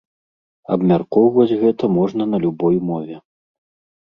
Абмяркоўваць гэта можна на любой мове.